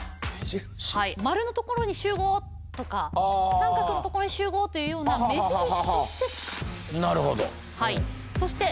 「丸のところに集合！」とか「三角のところに集合！」というような目印として使っていた。